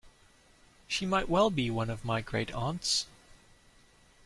She might well be one of my great aunts.